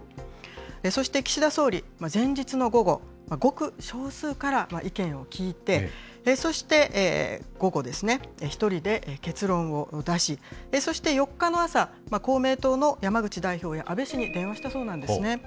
そして岸田総理、前日の午後、ごく少数から意見を聴いて、そして、午後ですね、１人で結論を出し、そして４日の朝、公明党の山口代表や安倍氏に電話したそうなんですね。